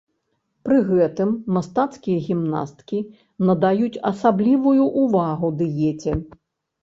Пры гэтым мастацкія гімнасткі надаюць асаблівую ўвагу дыеце.